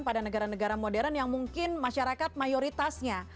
pada negara negara modern yang mungkin masyarakat mayoritasnya